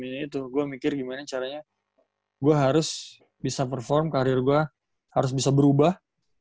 ini itu gua mikir gimana caranya gua harus bisa perform karir gua harus bisa berubah